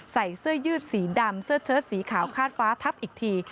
ใส่เสื้อยืดสีดำเสื้อเชิดสีขาวคาดฟ้าทับอีกที